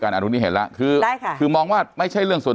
อนุนี่เห็นแล้วคือได้ค่ะคือมองว่าไม่ใช่เรื่องส่วน